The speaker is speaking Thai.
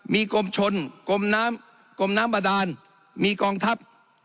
มีกรมชนกลมน้ำกรมน้ำบาดานมีกองทัพ